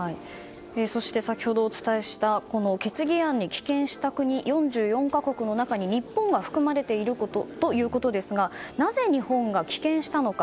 そして、先ほどお伝えした決議案に棄権した国４４か国の中に日本が含まれているということですがなぜ日本が棄権したのか。